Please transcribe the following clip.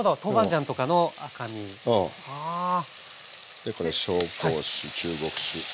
でこれ紹興酒中国酒。